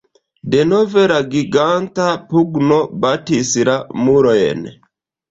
Denove la giganta pugno batis la murojn.